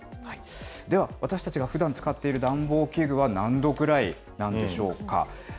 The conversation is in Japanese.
では、私たちがふだん使っている暖房器具は何度ぐらいなんでしょうか。